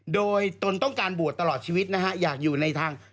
โดยตนต้องการบวชตลอดชีวิตนะฮะ